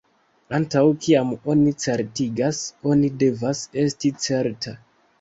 Antaŭ kiam oni certigas, oni devas esti certa.